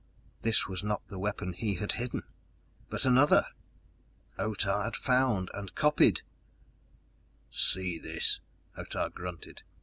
This was not the weapon he had hidden, but another! Otah had found and copied. "See this!" Otah grunted.